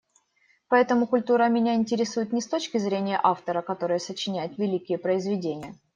Поэтому культура меня интересует не с точки зрения автора, который сочиняет великие произведения.